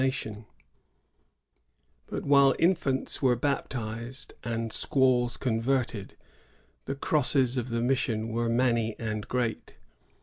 86 Bnt while infants were baptized and squaws con yerted, the crosses of the mission were many and great.